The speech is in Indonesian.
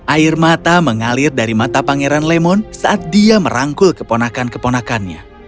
air mata mengalir dari mata pangeran lemon saat dia merangkul keponakan keponakannya